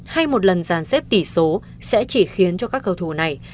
hay một lần giàn xếp tỷ số sẽ chỉ khiến cho các cầu thủ này